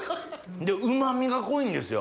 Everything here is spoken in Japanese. でうま味が濃いんですよ。